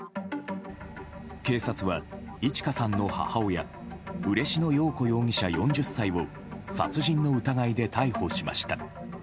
警察は、いち花さんの母親嬉野陽子容疑者、４０歳を殺人の疑いで逮捕しました。